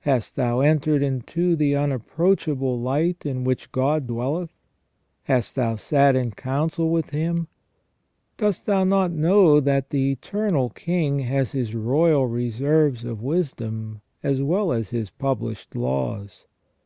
Hast thou entered into the unapproach able light in which God dwelleth ? Hast thou sat in council with Him ? Dost thou not know that the Eternal King has His royal reserves of wisdom, as well as His published laws